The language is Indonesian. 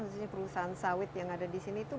khususnya perusahaan sawit yang ada di sini itu